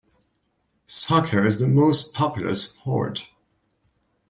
Soccer is the most popular sport.